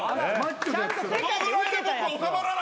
このぐらいで僕は収まらないですよ。